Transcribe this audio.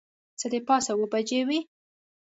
څه د پاسه اوه بجې وې.